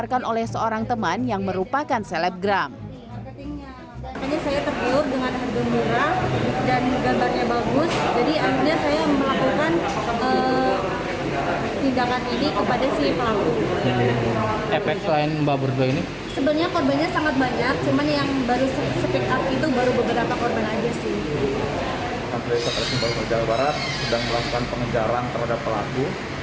kepolisian setelah semangat berjalan ke barat sedang melakukan pengejaran terhadap pelaku